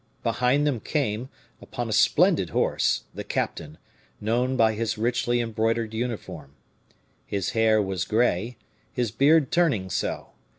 Behind them came, upon a splendid horse, the captain, known by his richly embroidered uniform. His hair was gray, his beard turning so.